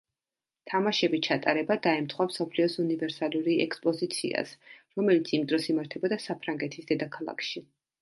თამაშები ჩატარება დაემთხვა მსოფლიოს უნივერსალური ექსპოზიციას, რომელიც იმ დროს იმართებოდა საფრანგეთის დედაქალაქში.